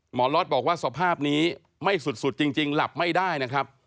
ล็อตบอกว่าสภาพนี้ไม่สุดจริงหลับไม่ได้นะครับ